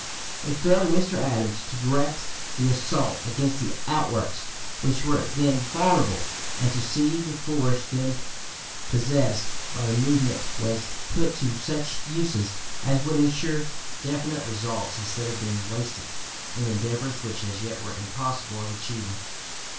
It fell to Mr. Adams to direct the (p. 245) assault against the outworks which were then vulnerable, and to see that the force then possessed by the movement was put to such uses as would insure definite results instead of being wasted in endeavors which as yet were impossible of achievement.